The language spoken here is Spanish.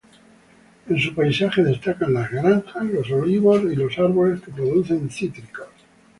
En su paisaje destacan las granjas, los olivos y los árboles que producen cítricos.